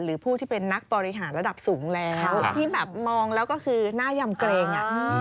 หรือผู้ที่เป็นนักบริหารระดับสูงแล้วที่แบบมองแล้วก็คือหน้ายำเกรงอ่ะ